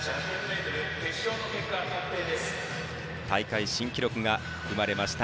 大会新記録が生まれました。